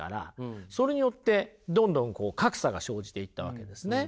それによってどんどんこう格差が生じていったわけですね。